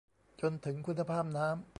จนถึงคุณภาพน้ำ